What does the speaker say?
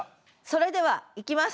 それではいきます。